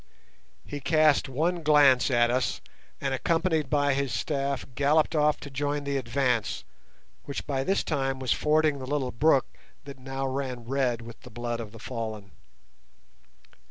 He cast one glance at us, and accompanied by his staff galloped off to join the advance, which by this time was fording the little brook that now ran red with the blood of the fallen.